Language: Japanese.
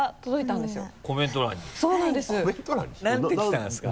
何て来たんですか？